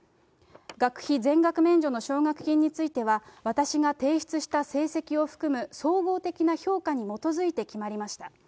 学費全額免除の奨学金については、私が提出した成績を含む総合的な評価に基づいて決まりました。